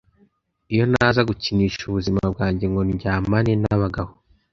Iyo ntaza gukinisha ubuzima bwanjye ngo ndyamane n’abagabo,